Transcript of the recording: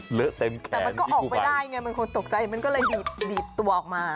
เหลือเต็มแขนพี่กูภัยจริงจริงตกใจมันก็เลยดีดตัวออกมา